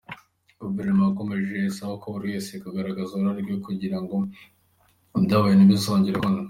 Guverineri yakomeje asaba buri wese kugaragaza uruhare rwe kugira ngo ibyabaye ntibizongere ukundi.